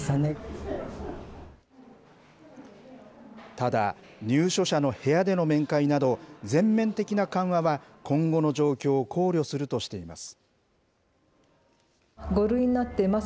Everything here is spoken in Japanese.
ただ、入所者の部屋での面会など、全面的な緩和は、今後の状況を考慮するとしています。